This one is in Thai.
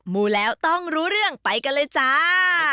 ูแล้วต้องรู้เรื่องไปกันเลยจ้า